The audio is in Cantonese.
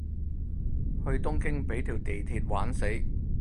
去東京畀條地鐵玩死